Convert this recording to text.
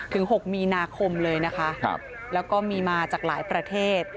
๖มีนาคมเลยนะคะแล้วก็มีมาจากหลายประเทศ